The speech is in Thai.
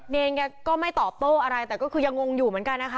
เนรแกก็ไม่ตอบโต้อะไรแต่ก็คือยังงงอยู่เหมือนกันนะคะ